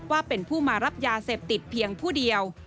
ว่าเป็นผู้มารับยาเสพติดเพียงผู้เดียว